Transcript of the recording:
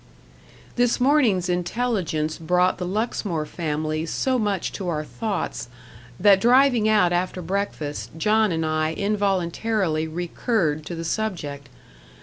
This morning's intelligence brought the Luxmore family so much to our thoughts, that driving out after breakfast, John and I involuntarily recurred to the subject.